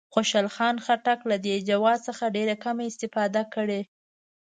خوشحال خان خټک له دې جواز څخه ډېره کمه استفاده کړې.